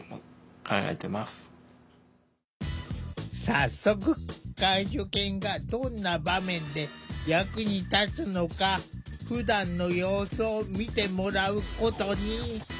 早速介助犬がどんな場面で役に立つのかふだんの様子を見てもらうことに。